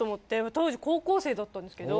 当時高校生だったんですけど。